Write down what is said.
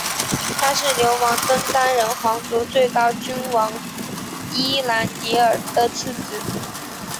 他是流亡登丹人皇族最高君王伊兰迪尔的次子。